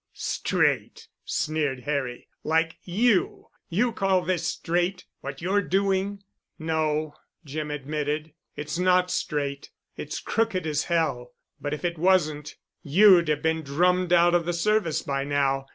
"Straight!" sneered Harry, "like you. You call this straight—what you're doing?" "No," Jim admitted. "It's not straight. It's crooked as hell, but if it wasn't, you'd have been drummed out of the Service by now.